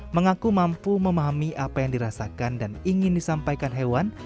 mengaku mampu memahami apa yang dirasakan dan ingin disampaikan hewan